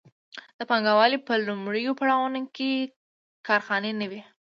د پانګوالۍ په لومړیو پړاوونو کې کارخانې نه وې.